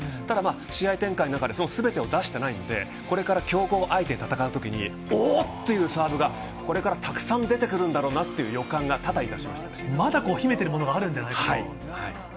試合展開の中ですべてを出していないので、これから強豪相手に戦う時におーっというサーブがこれから沢山出てくるような予感がしまだ秘めているものがあるんじゃないかと。